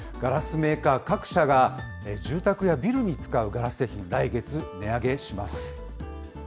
メーカー各社が、住宅やビルに使うガラス製品を来月、値上げします。